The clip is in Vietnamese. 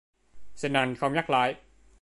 Xin anh không nhắc lại